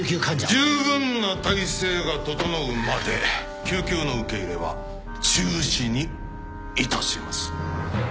じゅうぶんな体制が整うまで救急の受け入れは中止にいたします。